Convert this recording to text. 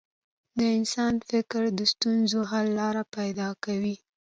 د انسان فکر د ستونزو حل لارې پیدا کوي.